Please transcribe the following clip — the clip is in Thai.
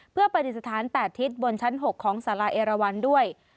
เพื่อปฏิสถาน๘ทิศบนชั้น๖ของสาราเอราวันด้วย